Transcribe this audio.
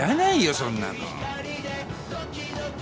そんなの。